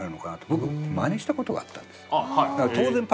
僕マネした事があったんです。